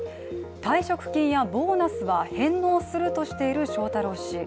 退職金やボーナスは返納するとしている翔太郎氏。